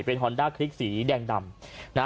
เป็นฮอนด้าคลิกสีแดงดำนะฮะ